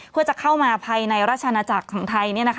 เพื่อจะเข้ามาภายในราชนาจักรของไทย